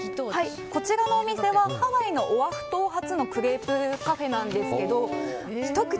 こちらのお店はハワイのオアフ島発のクレープカフェなんですけどひと口